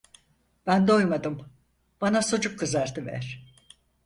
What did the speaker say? Ben doymadım, bana sucuk kızartıver!